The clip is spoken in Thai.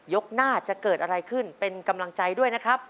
หน้าจะเกิดอะไรขึ้นเป็นกำลังใจด้วยนะครับ